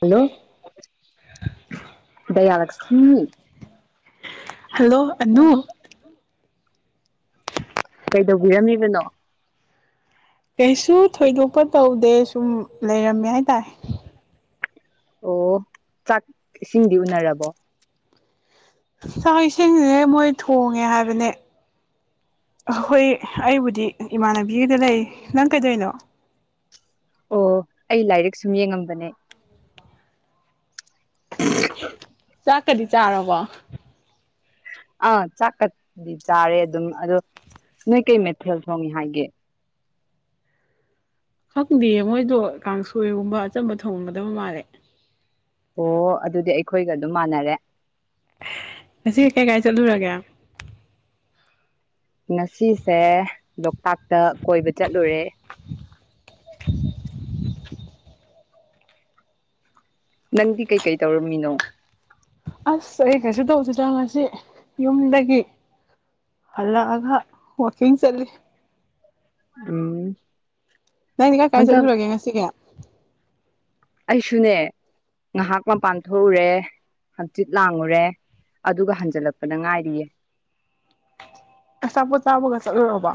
hello ꯗꯌꯥꯂꯛꯁꯃꯤ hello ꯑꯅꯨ ꯀꯩꯗꯧꯕꯤꯔꯝꯃꯤꯕꯅꯣ ꯀꯩꯁꯨ ꯊꯣꯏꯗꯣꯛꯄ ꯇꯧꯗꯦ ꯁꯨꯝ ꯂꯩꯔꯝꯃꯦ ꯍꯥꯏꯇꯥꯔꯦ ꯑꯣ ꯆꯥꯛ ꯏꯁꯤꯡꯗꯤ ꯎꯅꯔꯕꯣ ꯆꯥꯛ ꯏꯁꯤꯡꯁꯦ ꯃꯣꯏ ꯊꯣꯡꯉꯦ ꯍꯥꯏꯕꯅꯦ ꯍꯣꯏ ꯑꯩꯕꯨꯗꯤ ꯏꯃꯥꯟꯅꯕꯤꯒꯤꯗ ꯂꯩ ꯅꯪ ꯀꯩꯗꯧꯔꯤꯅꯣ ꯑꯣ ꯑꯩ ꯂꯥꯏꯔꯤꯛ ꯁꯨꯝ ꯌꯦꯡꯉꯝꯕꯅꯦ ꯆꯥꯛꯀꯗꯤ ꯆꯥꯔꯕꯣ [inaudible] ꯑꯥ ꯆꯥꯛꯀꯗꯤ ꯆꯥꯔꯦ ꯑꯗꯨꯝ ꯑꯗꯣ ꯅꯣꯏ ꯀꯩ ꯃꯩꯊꯦꯜ ꯊꯣꯡꯉꯦ ꯍꯥꯏꯒꯦ ꯈꯪꯗꯦ ꯃꯣꯏꯗꯣ ꯀꯥꯡꯁꯣꯏꯒꯨꯝꯕ ꯑꯆꯝꯕ ꯊꯣꯡꯉꯝꯒꯗꯕ ꯃꯥꯜꯂꯦ ꯑꯣ ꯑꯗꯨꯗꯤ ꯑꯩꯈꯣꯏꯒ ꯑꯗꯨꯝ ꯃꯥꯟꯅꯔꯦ ꯉꯁꯤ ꯀꯥꯏ ꯀꯥꯏ ꯆꯠꯂꯨꯔꯒꯦ ꯉꯁꯤꯁꯦ ꯂꯣꯛꯇꯥꯛꯇ ꯀꯣꯏꯕ ꯆꯠꯂꯨꯔꯦ [inaudible] ꯅꯪꯗꯤ ꯀꯩꯀꯩ ꯇꯧꯔꯝꯃꯤꯅꯣ ꯑꯁ ꯑꯩ ꯀꯩꯁꯨ ꯇꯧꯗꯦꯗ ꯉꯁꯤ ꯌꯨꯝꯗꯒꯤ ꯍꯜꯂꯛꯑꯒ ꯋꯥꯀꯤꯡ ꯆꯠꯂꯤ ꯎꯝ ꯅꯪꯗꯤ ꯀꯥꯏ ꯀꯥꯢ ꯍꯟꯗꯛ ꯆꯠꯂꯨꯔꯒꯦ ꯉꯁꯤꯒꯤ ꯑꯩꯁꯨꯅꯦ ꯉꯥꯏꯍꯥꯛ ꯃꯄꯥꯟ ꯊꯣꯛꯎꯔꯦ ꯍꯪꯆꯤꯠ ꯂꯥꯡꯉꯨꯔꯦ ꯑꯗꯨꯒ ꯍꯟꯖꯜꯂꯛꯄꯗ ꯉꯥꯏꯔꯤꯌꯦ ꯑꯆꯥꯄꯣꯠ ꯆꯥꯕꯒ ꯆꯠꯂꯨꯔꯕꯣ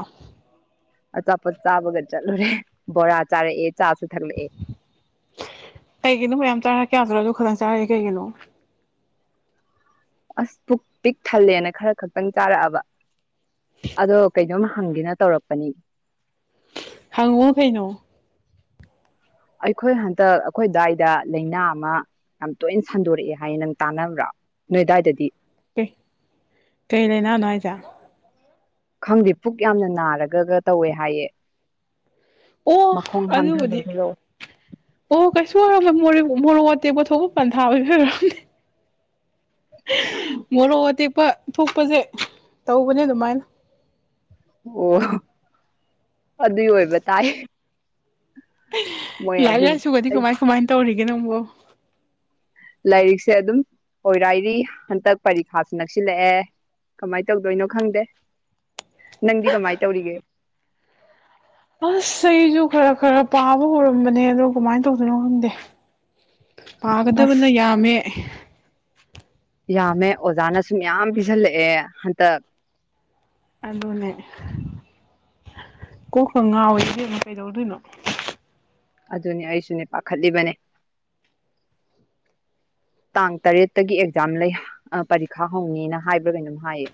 ꯑꯆꯥꯄꯣꯠ ꯆꯥꯕꯒ ꯆꯠꯂꯨꯔꯦ ꯕꯣꯔꯥ ꯆꯥꯔꯛꯑꯦ ꯆꯥꯁꯨ ꯊꯛꯂꯛꯑꯦ ꯀꯩꯒꯤꯅꯣ ꯃꯌꯥꯝ ꯆꯥꯔ ꯀꯌꯥ ꯆꯨꯔꯁꯨ ꯈꯇꯪ ꯆꯥꯔꯛꯏ ꯀꯩꯒꯤꯅꯣ ꯑꯁ ꯄꯨꯛ ꯄꯤꯛ ꯊꯜꯂꯦꯅ ꯈꯔ ꯈꯛꯇꯪ ꯆꯥꯔꯛꯑꯕ ꯑꯗꯣ ꯀꯩꯅꯣꯝ ꯍꯪꯒꯦꯅ ꯇꯧꯔꯛꯄꯅꯤ ꯍꯪꯉꯣ ꯀꯩꯅꯣ ꯑꯩꯈꯣꯏ ꯍꯟꯗꯛ ꯑꯩꯈꯣꯏ ꯑꯗꯥꯏꯗ ꯂꯩꯅꯥ ꯑꯃ ꯌꯥꯝ ꯇꯣꯏꯅ ꯁꯟꯗꯣꯔꯛꯑꯦ ꯍꯥꯏ ꯅꯪ ꯇꯥꯟꯅꯕ꯭ꯔꯣ ꯅꯣꯏ ꯗꯥꯏꯗꯗꯤ ꯑꯦ ꯀꯩ ꯂꯩꯅꯥꯅꯣ ꯍꯥꯏꯖꯦ ꯈꯪꯗꯦ ꯄꯨꯛ ꯌꯥꯝꯅ ꯅꯥꯔꯒꯒ ꯇꯧꯋꯦ ꯍꯥꯏꯌꯦ ꯑꯣ ꯃꯈꯣꯡ ꯑꯗꯨꯕꯨꯗꯤ ꯍꯥꯝꯊꯕꯒꯤꯔꯣ ꯑꯣ ꯀꯩꯁꯨ ꯑꯣꯏꯔꯝꯃꯣꯏ ꯃꯣꯔꯦ ꯃꯣꯔꯣꯛ ꯑꯇꯦꯛꯄ ꯊꯣꯛꯄ ꯄꯟꯊꯥ ꯑꯣꯏꯕꯩ ꯑꯣꯏꯔꯝꯅꯤ ꯃꯣꯔꯣꯛ ꯑꯇꯦꯛꯄ ꯊꯣꯛꯄꯁꯦ ꯇꯧꯕꯅꯦ ꯑꯗꯨꯃꯥꯏꯅ ꯑꯣ ꯑꯗꯨꯏ ꯑꯣꯏꯕ ꯇꯥꯏ ꯃꯣꯏ ꯂꯥꯏꯔꯤꯛ ꯑꯗꯨꯝ ꯂꯥꯏꯁꯨꯒꯗꯤ ꯀꯃꯥꯏ ꯀꯃꯥꯏꯅ ꯇꯧꯔꯤꯒꯦ ꯅꯪꯕꯣ ꯂꯥꯏꯔꯤꯛꯁꯦ ꯑꯗꯨꯝ ꯑꯣꯏꯔꯥꯏꯔꯤ ꯍꯟꯇꯛ ꯄꯔꯤꯈꯥꯁꯨ ꯅꯛꯁꯤꯜꯂꯛꯑꯦ ꯀꯃꯥꯏ ꯇꯧꯗꯣꯏꯅꯣ ꯈꯪꯗꯦ ꯅꯪꯗꯤ ꯀꯃꯥꯏ ꯇꯧꯔꯤꯒꯦ ꯑꯁ ꯑꯩꯁꯨ ꯈꯔ ꯈꯔ ꯄꯥꯕ ꯍꯧꯔꯝꯕꯅꯦ ꯑꯗꯣ ꯀꯃꯥꯏꯅ ꯇꯧꯗꯣꯏꯅꯣ ꯈꯪꯗꯦ ꯄꯥꯒꯗꯕꯅ ꯑꯁ ꯌꯥꯝꯃꯦ ꯌꯥꯝꯃꯦ ꯑꯣꯖꯥꯅꯁꯨ ꯃꯌꯥꯝ ꯄꯤꯁꯤꯜꯂꯛꯑꯦ ꯍꯟꯇꯛ ꯑꯗꯨꯅꯦ ꯀꯣꯛꯀ ꯉꯥꯎꯋꯦ ꯏꯕꯦꯝꯃꯥ ꯀꯩꯗꯧꯗꯣꯏꯅꯣ ꯑꯗꯨꯅꯤ ꯑꯩꯁꯨꯅꯦ ꯄꯥꯈꯠꯂꯤꯕꯅꯦ ꯇꯥꯡ ꯇꯔꯦꯠꯇꯒꯤ ꯑꯦꯛꯖꯥꯝ ꯂꯩ ꯑꯥ ꯄꯔꯤꯈꯥ ꯍꯧꯅꯤꯅ ꯍꯥꯏꯕ꯭ꯔꯥ ꯀꯩꯅꯣꯝ ꯍꯥꯏꯌꯦ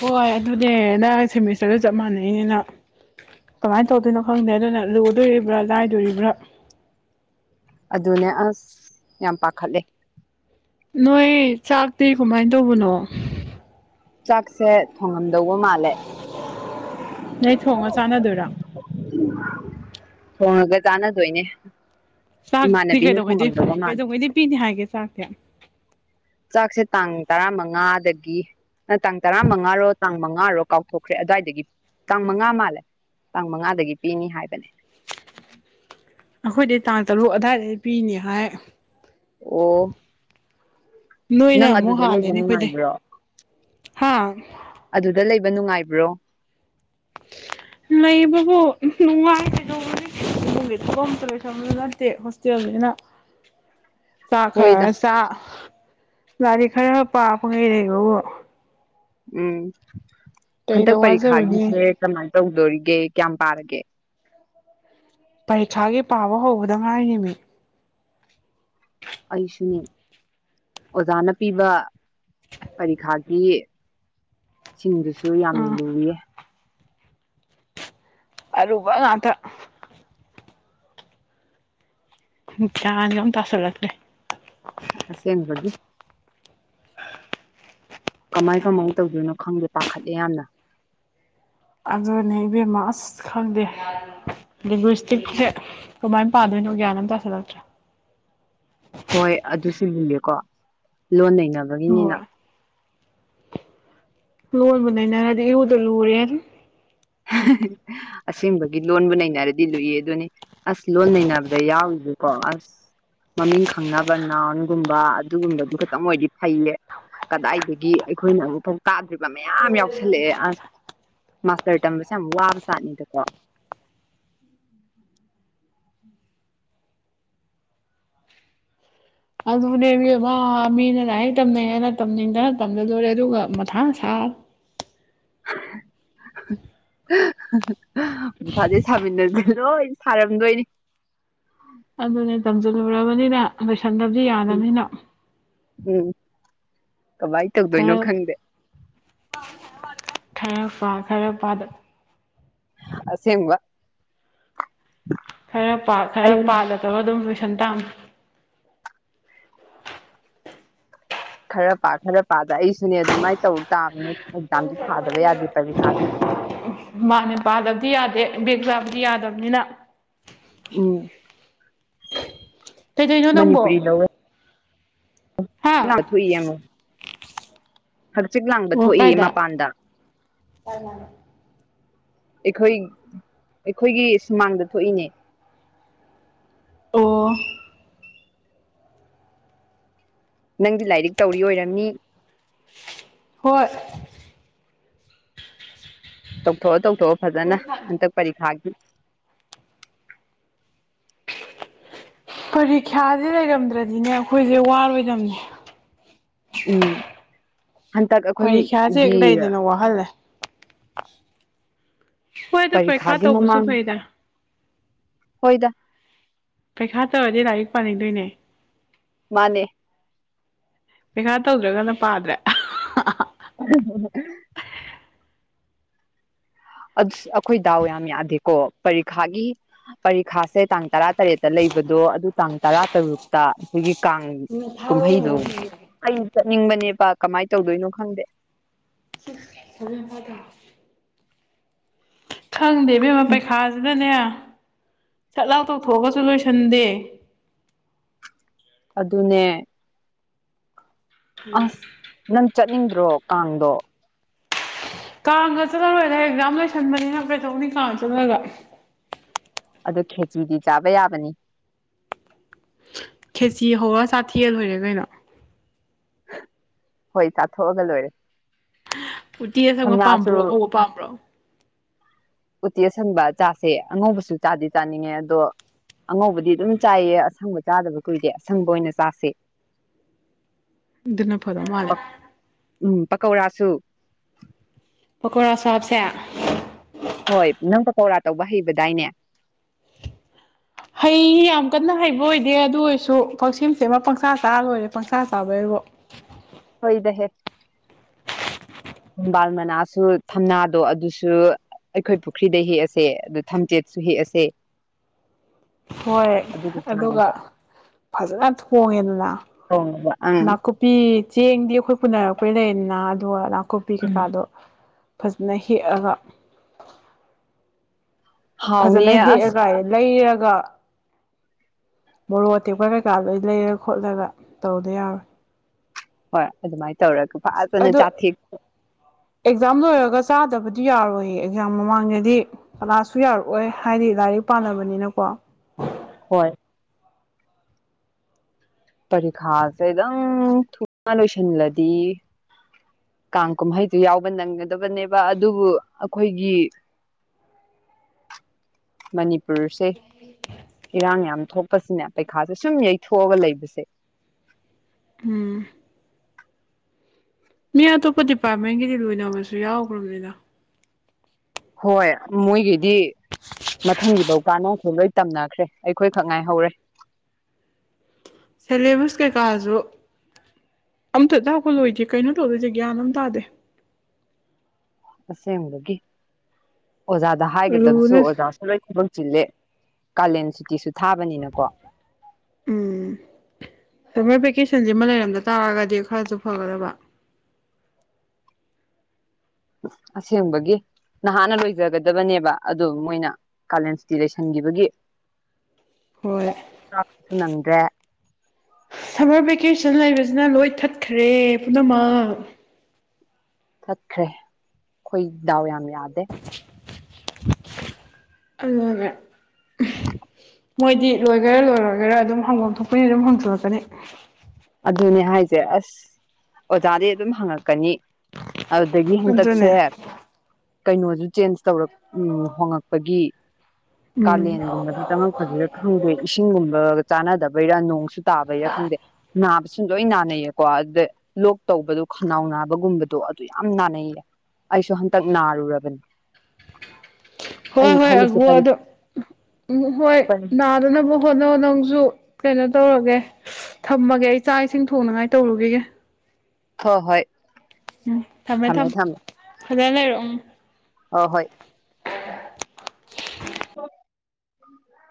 ꯍꯣꯏ ꯑꯗꯨꯅꯦ ꯅꯪ ꯁꯦꯃꯤꯁꯇꯔꯁꯨ ꯆꯞ ꯃꯥꯟꯅꯩꯅꯤꯅ ꯀꯃꯥꯏꯅ ꯇꯧꯗꯣꯏꯅꯣ ꯈꯪꯗꯦ ꯑꯗꯨꯅ ꯂꯨꯗꯣꯔꯤꯕ꯭ꯔꯥ ꯂꯥꯏꯗꯣꯔꯤꯕ꯭ꯔꯥ ꯑꯗꯨꯅꯦ ꯑꯁ ꯌꯥꯝ ꯄꯥꯈꯠꯂꯦ ꯅꯣꯏ ꯆꯥꯛꯇꯤ ꯀꯃꯥꯏ ꯇꯧꯕꯅꯣ ꯆꯥꯛꯁꯦ ꯊꯣꯡꯉꯝꯗꯧꯕ ꯃꯥꯜꯂꯦ ꯅꯣꯏ ꯊꯣꯡꯉ ꯆꯥꯟꯅꯗꯣꯏꯔꯣ ꯊꯣꯡꯉꯒ ꯆꯥꯟꯅꯗꯣꯏꯅꯦ ꯆꯥꯛꯇꯤ ꯏꯃꯥꯟꯅꯕꯤꯅ ꯊꯣꯡꯉꯝꯗꯧꯕ ꯀꯩꯗꯧꯉꯩꯗꯩꯩ ꯃꯥꯜꯂꯦ ꯀꯩꯗꯧꯉꯩꯗꯩꯩ ꯄꯤꯅꯤ ꯍꯥꯏꯒꯦ ꯆꯥꯛꯇꯤ ꯆꯥꯛꯁꯦ ꯇꯥꯡ ꯇꯔꯥꯃꯉꯥꯗꯒꯤ ꯑꯥ ꯇꯥꯡ ꯇꯔꯥꯃꯉꯥꯔꯣ ꯇꯥꯡ ꯃꯉꯥꯔꯣ ꯀꯥꯎꯊꯣꯛꯈ꯭ꯔꯦ ꯑꯗꯥꯏꯗꯒꯤ ꯇꯥꯡ ꯃꯉꯥ ꯃꯥꯜꯂꯦ ꯇꯥꯡ ꯃꯉꯥꯗꯒꯤ ꯄꯤꯅꯤ ꯍꯥꯏꯕꯅꯦ ꯑꯩꯈꯣꯏꯗꯤ ꯇꯥꯡ ꯇꯔꯨꯛ ꯑꯗꯥꯏꯗꯒꯤ ꯄꯤꯅꯤ ꯍꯥꯏ ꯑꯣ ꯅꯣꯏꯅ ꯅꯪ ꯑꯃꯨꯛ ꯑꯗꯨꯗ ꯂꯩꯕ ꯍꯥꯜꯂꯦꯅꯦ ꯑꯩꯈꯣꯏꯗꯩ ꯅꯨꯡꯉꯥꯏꯕ꯭ꯔꯣ ꯍꯥ ꯑꯗꯨꯗ ꯂꯩꯕ ꯅꯨꯡꯉꯥꯏꯕ꯭ꯔꯣ ꯂꯩꯕꯕꯨ ꯅꯨꯡꯉꯥꯏ ꯀꯩꯗꯧꯔꯨꯅꯤ ꯏꯃꯨꯡꯒꯤ ꯊꯕꯛ ꯑꯝꯇꯥ ꯂꯣꯏꯁꯟꯕꯁꯨ ꯅꯠꯇꯦ ꯍꯣꯁꯇꯦꯜꯅꯤꯅ [inaudible] ꯆꯥꯛ ꯍꯣꯏꯗ ꯈꯔ ꯆꯥ ꯂꯥꯏꯔꯤꯛ ꯈꯔ ꯄꯥ ꯄꯪꯂꯩ ꯂꯩꯕꯕꯨ ꯎꯝ ꯀꯩꯗ ꯍꯟꯇꯛ ꯋꯥꯖꯔꯨꯅꯤ ꯄꯔꯤꯈꯥꯒꯤꯁꯦ ꯀꯃꯥꯏ ꯇꯧꯗꯣꯔꯤꯒꯦ ꯀꯌꯥꯝ ꯄꯥꯔꯒꯦ ꯄꯔꯤꯈ꯭ꯌꯥꯒꯤ ꯄꯥꯕ ꯍꯧꯕꯗ ꯉꯥꯏꯔꯤꯃꯦ ꯑꯩꯁꯨꯅꯤ ꯑꯣꯖꯥꯅ ꯄꯤꯕ ꯄꯔꯤꯈꯥꯒꯤ ꯁꯤꯡꯗꯨꯁꯨ ꯌꯥꯝ ꯑꯥ ꯂꯨꯏꯌꯦ ꯑꯔꯨꯕ ꯉꯥꯛꯇ ꯒꯌ꯭ꯥꯟꯒꯥ ꯑꯝ ꯇꯥꯁꯜꯂꯛꯇ꯭ꯔꯦ ꯑꯁꯦꯡꯕꯒꯤ [unintelligible] ꯀꯃꯥꯏ ꯀꯃꯥꯏ ꯇꯧꯗꯣꯏꯅꯣ ꯈꯪꯗꯦ ꯄꯥꯈꯠꯂꯦ ꯌꯥꯝꯅ ꯑꯗꯨꯅꯦ ꯏꯕꯦꯝꯃ ꯑꯁ ꯈꯪꯗꯦ ꯂꯦꯡꯒꯨ꯭ꯌꯁꯇꯤꯛꯁꯦ ꯀꯃꯥꯏꯅ ꯄꯥꯗꯣꯏꯅꯣ ꯒ꯭ꯌꯥꯟ ꯑꯝ ꯇꯥꯥꯁꯤꯟꯂꯛꯇ꯭ꯔꯦ ꯍꯣꯏ ꯑꯗꯨꯁꯨ ꯂꯨꯏꯌꯦꯀꯣ ꯂꯣꯟ ꯅꯩꯅꯕꯒꯤꯅꯤꯅ ꯍꯣꯏ ꯂꯣꯟꯕꯨ ꯅꯩꯅꯔꯗꯤ ꯏꯔꯨꯗ ꯂꯨꯔꯦ ꯑꯁꯦꯡꯕꯒꯤ ꯂꯣꯟꯕꯨ ꯅꯩꯅꯔꯗꯤ ꯂꯨꯏꯌꯦꯗꯨꯅꯤ ꯑꯁ ꯂꯣꯟ ꯅꯩꯅꯕꯗ ꯌꯥꯎꯔꯤꯁꯀꯣ ꯑꯁ ꯃꯃꯤꯡ ꯈꯪꯅꯕ ꯅꯥꯎꯟꯒꯨꯝꯕ ꯑꯗꯨꯒꯨꯝꯕꯗꯨ ꯈꯛꯇꯡ ꯑꯣꯏꯔꯗꯤ ꯐꯩꯌꯦ ꯀꯗꯥꯏꯗꯒꯤ ꯑꯩꯈꯣꯏꯅ ꯑꯃꯨꯛꯐꯥꯎ ꯇꯥꯗ꯭ꯔꯤꯕ ꯃꯌꯥꯝ ꯌꯥꯎꯁꯜꯂꯛꯑꯦ ꯑꯁ ꯃꯥꯁꯇꯔ ꯇꯝꯕꯁꯦ ꯌꯥꯝ ꯋꯥꯕ ꯖꯥꯠꯅꯤꯗꯀꯣ ꯑꯗꯨꯅꯦꯃꯤ ꯃꯤꯅ ꯂꯥꯏꯔꯤꯛ ꯇꯝꯅꯩꯌꯦꯅ ꯇꯝꯅꯤꯡꯗꯅ ꯇꯝꯖꯜꯂꯨꯔꯦ ꯑꯗꯨꯒ ꯃꯊꯥ ꯁꯥ ꯃꯊꯥꯁꯤ ꯁꯥꯃꯤꯟꯅꯁꯤ ꯂꯣꯏ ꯁꯥꯔꯝꯗꯣꯏꯅꯤ ꯑꯗꯨꯅꯦ ꯇꯝꯁꯤꯜꯂꯨꯔꯕꯅꯤꯅ ꯂꯣꯏꯁꯟꯗꯕꯗꯤ ꯎꯝ ꯌꯥꯗꯕꯅꯤꯅ ꯎꯝ ꯀꯃꯥꯏ ꯇꯧꯗꯣꯏꯅꯣ ꯈꯔ ꯈꯪꯗꯦ ꯈꯔ ꯄꯥ ꯈꯔ ꯄꯥꯗ ꯑꯁꯦꯡꯕ ꯈꯔ ꯄꯥ ꯈꯔ ꯑꯩ ꯄꯥꯗ ꯇꯧꯔꯒ ꯑꯗꯨꯝ ꯂꯣꯏꯁꯟ ꯇꯥꯝꯅꯤ ꯈꯔ ꯄꯥ ꯈꯔ ꯄꯥꯗ ꯑꯩꯁꯨꯅꯦ ꯑꯗꯨꯃꯥꯏꯅ ꯇꯧ ꯇꯥꯝꯅꯤ ꯑꯦꯛꯖꯥꯝꯗꯤ ꯊꯥꯗꯕ ꯌꯥꯗꯦ ꯄꯔꯤꯈꯥꯗꯤ ꯃꯥꯅꯦ ꯄꯥꯗꯕꯗꯤ ꯌꯥꯗꯦ ꯕꯦꯛ ꯆꯥꯕꯗꯤ ꯌꯥꯗꯕꯅꯤꯅ ꯎꯝ ꯀꯩꯗꯣꯏꯅꯣ ꯅꯪꯕꯣ ꯃꯅꯤꯄꯨꯔꯤ ꯂꯧꯋꯦ ꯍꯥ ꯅꯪ [unintelligible] ꯍꯛꯆꯤꯠ ꯂꯥꯡꯕ ꯑꯣ ꯊꯣꯛꯏꯌꯦ ꯀꯥꯏꯗ ꯃꯄꯥꯟꯗ ꯑꯩꯈꯣꯏ ꯑꯩꯈꯣꯏꯒꯤ ꯁꯨꯃꯥꯡꯗ ꯊꯣꯛꯏꯅꯦ ꯑꯣ ꯅꯪꯗꯤ ꯂꯥꯏꯔꯤꯛ ꯇꯧꯔꯤ ꯑꯣꯏꯔꯝꯅꯤ ꯍꯣꯏ ꯇꯧꯊꯣꯛꯑꯣ ꯇꯧꯊꯣꯛꯑꯣ ꯐꯖꯅ ꯍꯟꯇꯛ ꯄꯔꯤꯈꯥꯒꯤ ꯄꯔꯤꯈ꯭ꯌꯥꯁꯦ ꯂꯩꯔꯝꯗ꯭ꯔꯗꯤꯅꯦ ꯑꯩꯈꯣꯏꯁꯦ ꯋꯥꯔꯣꯏꯗꯝꯅꯦ ꯎꯝ ꯍꯟꯇꯛ ꯄꯔꯤꯈ꯭ꯌꯥꯁꯦ ꯍꯦꯛ ꯑꯩꯈꯣꯏꯒꯤ ꯂꯩꯗꯅ ꯋꯥꯍꯜꯂꯦ ꯍꯣꯏꯗ ꯄꯔꯤꯈꯥ ꯄꯔꯤꯈꯥꯒꯤ ꯇꯧꯕꯁꯨ ꯃꯃꯥꯡ ꯐꯩꯗ ꯍꯣꯏꯗ ꯄꯩꯈꯥ ꯇꯧꯔꯗꯤ ꯂꯥꯏꯔꯤꯛ ꯄꯥꯅꯤꯡꯗꯣꯏꯅꯦ ꯃꯥꯅꯦ ꯄꯩꯈꯥ ꯇꯧꯗ꯭ꯔꯒꯅ ꯄꯥꯗ꯭ꯔꯦ [unintelligible] ꯑꯩꯈꯣꯏ ꯗꯥꯎ ꯌꯥꯝ ꯌꯥꯗꯦꯀꯣ ꯄꯔꯤꯈꯥꯒꯤ ꯄꯔꯤꯈꯥꯁꯦ ꯇꯥꯡ ꯇꯔꯥ ꯇꯔꯦꯠꯇ ꯂꯩꯕꯗꯣ ꯑꯗꯨ ꯇꯥꯡ ꯇꯔꯥ ꯇꯔꯨꯛꯇ ꯑꯩꯈꯣꯏꯒꯤ ꯀꯥꯡ ꯀꯨꯝꯍꯩꯗꯣ ꯑꯩ ꯆꯠꯅꯤꯡꯕꯅꯦꯕ ꯀꯃꯥꯏꯅ ꯇꯧꯗꯣꯏꯅꯣ ꯈꯪꯗꯦ [unintelligible] ꯈꯪꯗꯦ ꯢꯕꯦꯝꯃꯥ ꯄꯩꯈꯥꯁꯤꯅꯅꯦ ꯁꯠ ꯂꯥꯎ ꯇꯧꯊꯣꯛꯑꯒꯁꯨ ꯂꯣꯏꯁꯟꯗꯦ ꯑꯗꯨꯅꯦ ꯑꯁ ꯅꯪ ꯆꯠꯅꯤꯡꯗ꯭ꯔꯣ ꯀꯥꯡꯗꯣ ꯀꯥꯡꯒ ꯆꯠꯂꯔꯣꯏꯗ ꯑꯦꯛꯖꯥꯝ ꯂꯩꯁꯟꯕꯅꯤꯅ ꯀꯩꯗꯧꯅꯤ ꯀꯥꯡ ꯆꯠꯂꯒ ꯑꯗꯨ ꯈꯦꯆ꯭ꯔꯤꯗꯤ ꯆꯥꯕ ꯌꯥꯕꯅꯤ ꯈꯦꯆ꯭ꯔꯤ ꯍꯧꯔ ꯆꯥꯊꯦꯛꯑ ꯂꯣꯢꯔꯦ ꯀꯩꯅꯣ ꯍꯣꯏ ꯆꯥꯊꯣꯛꯑꯒ ꯂꯣꯏꯔꯦ ꯎꯇꯤ ꯑꯁꯪꯕ ꯄꯥꯝꯕ꯭ꯔꯣ ꯊꯝꯅꯥꯁꯨ ꯑꯉꯧꯕ ꯄꯥꯝꯕ꯭ꯔꯣ ꯎꯇꯤ ꯑꯁꯪꯕ ꯆꯥꯁꯦ ꯑꯉꯧꯕꯁꯨ ꯆꯥꯗꯤ ꯆꯥꯅꯤꯡꯉꯦ ꯑꯗꯣ ꯑꯉꯧꯕꯗꯤ ꯑꯗꯨꯝ ꯆꯥꯏꯌꯦ ꯑꯁꯪꯕ ꯆꯥꯗꯕ ꯀꯨꯏꯔꯦ ꯑꯁꯪꯕ ꯑꯣꯏꯅ ꯆꯥꯁꯦ ꯑꯗꯨꯅ ꯐꯗꯧ ꯃꯥꯂꯦ ꯎꯝ ꯄꯀꯧꯔꯥꯁꯨ ꯄꯀꯧꯔꯥꯁꯨ ꯍꯥꯞꯁꯦ ꯍꯣꯏ ꯅꯪ ꯄꯀꯧꯔꯥ ꯇꯧꯕ ꯍꯩꯕꯗꯥꯏꯅꯦ ꯍꯩ ꯌꯥꯝ ꯀꯟꯅ ꯍꯩꯕ ꯑꯣꯏꯗꯦ ꯑꯗꯨ ꯑꯣꯏꯔꯁꯨ ꯄꯪꯁꯦꯝ ꯁꯦꯝꯃ ꯄꯪꯁꯥ ꯆꯥꯔ ꯂꯣꯏꯔꯦ ꯄꯪꯁꯥ ꯆꯥꯕꯩꯕꯣ ꯍꯣꯏꯗ ꯍꯦ ꯊꯝꯕꯥꯜ ꯃꯅꯥꯁꯨ ꯊꯝꯅꯥꯗꯣ ꯑꯗꯨꯁꯨ ꯑꯩꯈꯣꯏ ꯄꯨꯈ꯭ꯔꯤꯗꯩ ꯍꯦꯛꯑꯁꯦ ꯑꯗ ꯊꯝꯆꯦꯠꯁꯨ ꯍꯦꯛꯑꯁꯦ ꯍꯣꯏ ꯑꯗꯨꯒ ꯐꯖꯅ ꯊꯣꯡꯉꯦꯗꯅ ꯊꯣꯡꯉꯒ ꯑꯪ ꯅꯥꯀꯨꯞ ꯀꯄꯤ ꯆꯦꯡꯗꯤ ꯑꯩꯈꯣꯏ ꯄꯨꯅꯔꯛꯄꯩ ꯂꯩꯗꯅ ꯑꯗꯨꯒ ꯅꯥꯀꯨꯞꯄꯤ ꯎꯝ ꯀꯩꯀꯥꯗꯣ ꯐꯖꯅ ꯍꯦꯛꯑꯒ ꯐꯖꯅ ꯍꯥꯎꯅꯤꯌꯦ ꯑꯁ ꯍꯦꯛꯑꯒ ꯂꯩꯔꯒ ꯃꯣꯔꯣꯛ ꯑꯇꯦꯛꯄ ꯀꯩꯀꯥ ꯂ ꯑꯩ ꯂꯩꯔ ꯈꯣꯠꯂꯒ ꯇꯧꯗ ꯌꯥꯎꯔꯣꯏ ꯍꯣꯏ ꯑꯗꯨꯃꯥꯏꯅ ꯇꯧꯔꯒ ꯑ ꯐꯖꯅ ꯑꯗꯣ ꯆꯥꯊꯦꯛ ꯑꯦꯛꯖꯥꯝ ꯂꯣꯏꯔꯒ ꯆꯥꯗꯕꯗꯤ ꯌꯥꯔꯣꯏꯌꯦ ꯑꯦꯛꯖꯥꯝ ꯃꯃꯥꯡꯗꯗꯤ ꯀꯂꯥꯁꯨ ꯌꯥꯔꯛꯑꯣꯏ ꯍꯥꯏꯗꯤ ꯂꯥꯏꯔꯤꯛ ꯄꯥꯅꯕꯅꯤꯅꯀꯣ ꯍꯣꯏ ꯄꯔꯤꯈꯥꯁꯦꯗꯪ ꯊꯨꯅ ꯂꯣꯏꯁꯤꯜꯂꯗꯤ ꯀꯥꯡ ꯀꯨꯝꯍꯩꯗꯨ ꯌꯥꯎꯕ ꯅꯪꯒꯗꯕꯅꯦꯕ ꯑꯗꯨꯕꯨ ꯑꯩꯈꯣꯏꯒꯤ ꯃꯅꯤꯄꯨꯔꯁꯦ ꯏꯔꯥꯡ ꯌꯥꯝ ꯊꯣꯛꯄꯁꯤꯅꯦ ꯄꯩꯈꯥꯁꯦ ꯁꯨꯝ ꯌꯩꯊꯣꯛꯑꯒ ꯂꯩꯕꯁꯦ ꯎꯝ ꯃꯤ ꯑꯇꯣꯞꯄ ꯗꯤꯄꯥꯔꯠꯃꯦꯟꯒꯤꯗꯤ ꯂꯣꯏꯅꯕꯁꯨ ꯌꯥꯎꯈ꯭ꯔꯕꯅꯤꯅ ꯍꯣꯏ ꯃꯣꯏꯒꯤꯗꯤ ꯃꯊꯪꯒꯤꯐꯧ ꯀꯥꯟꯅꯕꯈ ꯂꯣꯏ ꯇꯝꯅꯈ꯭ꯔꯦ ꯑꯩꯈꯣꯏꯈꯛ ꯉꯥꯏꯍꯧꯔꯦ ꯁꯦꯂꯦꯕꯁ ꯀꯩꯀꯥꯁꯨ ꯑꯝꯇ ꯂꯥꯛꯄ ꯂꯣꯏꯗ ꯀꯩꯅꯣ ꯇꯗꯣꯏꯦꯒ꯭ꯌꯥꯟ ꯑꯃ ꯇꯥꯗꯦ ꯑꯁꯦꯡꯕꯒꯤ ꯑꯣꯖꯥꯗ ꯍꯥꯏꯒꯗꯕꯁꯨ ꯂꯨꯅ ꯑꯣꯖꯥ ꯂꯣꯏ ꯊꯕꯛ ꯆꯤꯜꯂꯦ ꯀꯥꯂꯦꯟ ꯁꯨꯇꯤꯁꯨ ꯊꯥꯕꯅꯤꯅꯀꯣ ꯎꯝ ꯁꯝꯃꯔ ꯚꯦꯀꯦꯁꯟꯁꯤꯃ ꯂꯩꯔꯝꯗ ꯇꯥꯔꯒꯗꯤ ꯈꯔꯁꯨ ꯐꯒꯗꯕ ꯑꯁꯦꯡꯕꯒꯤꯦ ꯅꯍꯥꯟꯅ ꯂꯣꯏꯖꯒꯗꯕꯅꯦꯕ ꯑꯗꯣ ꯃꯣꯏꯅ ꯀꯥꯂꯦꯟꯁꯤꯇꯤ ꯂꯩꯁꯟꯈꯤꯕꯒꯤ [inaudible] ꯍꯣꯏ ꯀꯞꯄꯁꯨ ꯅꯪꯗ꯭ꯔꯦ ꯁꯝꯃꯔ ꯚꯦꯀꯦꯁꯟ ꯂꯩꯕꯁꯤꯅ ꯂꯣꯏ ꯊꯠꯈ꯭ꯔꯦ ꯄꯨꯝꯅꯃꯛ ꯆꯠꯈ꯭ꯔꯦ ꯑꯩꯈꯣꯏ ꯗꯥꯎ ꯌꯥꯝ ꯌꯥꯗꯦ [inaudible] ꯑꯉꯥꯡꯅ ꯃꯣꯏꯗꯤ ꯂꯣꯏꯒꯦꯔꯥ ꯂꯣꯏꯔꯣꯏꯒꯦꯔꯥ ꯑꯗꯨꯝ ꯍꯪꯒꯣꯝ ꯊꯣꯛꯄꯅꯤ ꯑꯗꯨꯝ ꯍꯪꯗꯣꯔꯛꯀꯅꯤ ꯑꯗꯨꯅꯦ ꯍꯥꯏꯁꯦ ꯑꯁ ꯑꯣꯖꯥꯗꯤ ꯑꯗꯨꯝ ꯍꯪꯉꯛꯀꯅꯤ ꯑꯗꯨꯗꯒꯤ ꯍꯟꯗꯛꯁꯦ ꯑꯗꯨꯅꯦ ꯀꯩꯅꯣꯁꯨ ꯆꯦꯟꯖ ꯇꯧꯔꯛ ꯎꯝ ꯍꯣꯉꯛꯄꯒꯤ ꯎꯝ ꯀꯥꯂꯦꯟꯒꯨꯝꯕꯁꯨ ꯆꯪꯉꯛꯄꯁꯤꯗ ꯈꯪꯗꯦ ꯏꯁꯤꯡ ꯨꯝꯕ ꯆꯥꯅꯗꯕꯩꯔꯥ ꯅꯣꯡꯁꯨ ꯇꯥꯕꯩꯔꯥ ꯈꯪꯗꯦ ꯅꯥꯕꯁꯨ ꯂꯣꯏ ꯅꯥꯅꯩꯌꯦꯀꯣ ꯑꯗꯨꯗ ꯂꯣꯛ ꯇꯧꯕꯗꯣ ꯈꯅꯥꯎ ꯅꯥꯕꯒꯨꯝꯕꯗꯣ ꯑꯗꯨ ꯌꯥꯝ ꯅꯥꯟꯅꯩꯌꯦ ꯑꯩꯁꯨ ꯍꯟꯇꯛ ꯅꯥꯔꯨꯔꯕꯅꯤ ꯍꯣꯏ ꯑꯩꯅ ꯍꯣꯏ ꯑ ꯈꯜꯂꯤꯁꯦ ꯑꯗꯣ ꯍꯣꯏ ꯑꯗꯨꯅꯕꯨ ꯍꯣꯠꯅꯧ ꯅꯪꯁꯨ ꯀꯩꯅꯣ ꯇꯧꯔꯒꯦ ꯊꯝꯃꯒꯦ ꯑꯩ ꯆꯥꯛ ꯏꯁꯤꯡ ꯊꯣꯡꯅꯉꯥꯏ ꯇꯧꯔꯨꯒꯦꯒꯦ ꯍꯣꯏ ꯍꯣꯏ ꯎꯝ ꯊꯝꯃꯦ ꯊꯝ ꯐꯖꯅ ꯂꯩꯔꯛꯎ ꯑ ꯍꯣꯏ ꯑ [unintelligible] ꯎ [unintelligible]